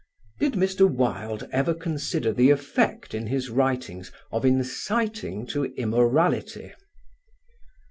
"Did Mr. Wilde ever consider the effect in his writings of inciting to immorality?"